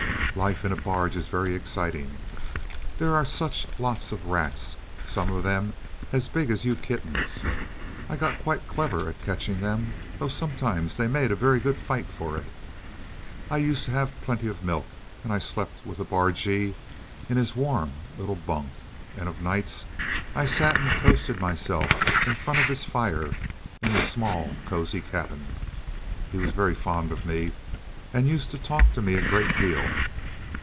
"Life in a barge is very exciting. There are such lots of rats, some of them as big as you kittens. I got quite clever at catching them, though sometimes they made a very good fight for it. I used to have plenty of milk, and I slept with the bargee in his warm little bunk, and of nights I sat and toasted myself in front of his fire in the small, cosy cabin. He was very fond of me, and used to talk to me a great deal.